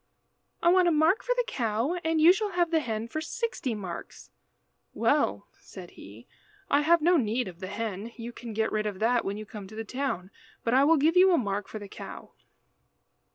"I want a mark for the cow, and you shall have the hen for sixty marks." "Well," said he, "I have no need of the hen. You can get rid of that when you come to the town, but I will give you a mark for the cow."